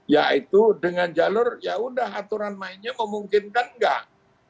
yaitu dengan jalur yaudah aturan mainnya memungkinkan enggak